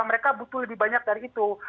mereka butuh lebih banyak dari itu